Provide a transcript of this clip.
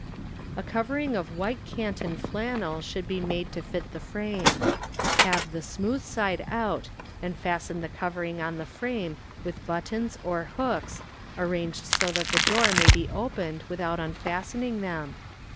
A covering of white Canton fiannel should be made to fit the frame. Have the smooth side out and fasten the cov ering on the frame with buttons or hooks, arranged so that the door may be opened without unfastening them.